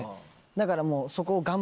だからもう。